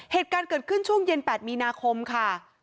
เหตุการณ์เกิดขึ้นช่วงเย็น๘มีนาคมค่ะ